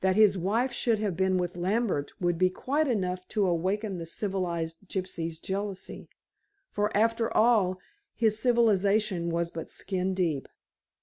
That his wife should have been with Lambert would be quite enough to awaken the civilized gypsy's jealousy, for after all his civilization was but skin deep.